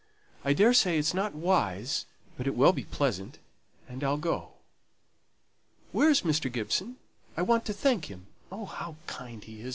"I daresay it's not wise; but it will be pleasant, and I'll go. Where is Mr. Gibson? I want to thank him. Oh, how kind he is!